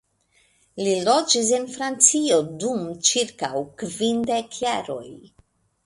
Li loĝis en Francio dum ĉirkaŭ kvin dek jaroj.